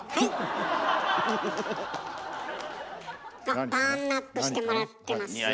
あっパーンアップしてもらってますよ。